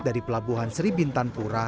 dari pelabuhan seribintan pura